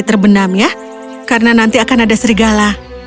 jangan kembali ke jalan yang terbenam ya karena nanti akan ada serigala